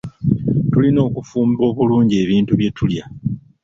Tulina okufumba obulungi ebintu bye tulya.